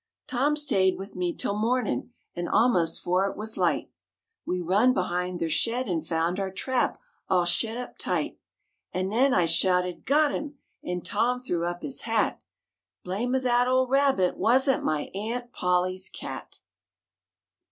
Tom staid 'ith me till mornin', an' almos' 'fore it wuz light We run behin' ther shed 'n' foun' our trap all shet up tight; An' nen I shouted, "Got him!" 'n' Tom threw up his hat Blame 'f that ol' rabbit wasn't my Aunt Polly's cat!